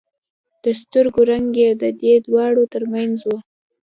د سترګو رنگ يې د دې دواړو تر منځ و.